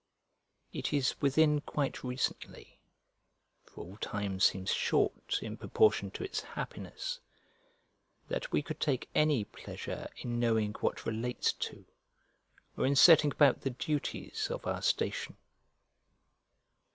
It is within quite recently (for all time seems short in proportion to its happiness) that we could take any pleasure in knowing what relates to or in setting about the duties of our station.